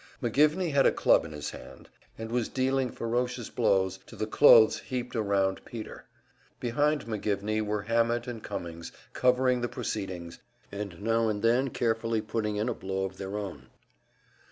McGivney had a club in his hand, and was dealing ferocious blows to the clothes heaped around Peter. Behind McGivney were Hammett and Cummings, covering the proceedings, and now and then carefully putting in a blow of their own.